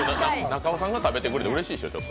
中尾さんが食べてくれてうれしいでしょ。